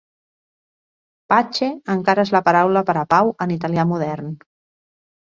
"Pace" encara és la paraula per a "pau" en italià modern.